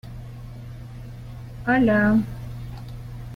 Está basado en el talent show The Voice creado por John de Mol.